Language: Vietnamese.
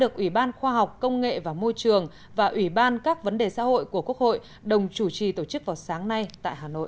công nghệ và môi trường và ủy ban các vấn đề xã hội của quốc hội đồng chủ trì tổ chức vào sáng nay tại hà nội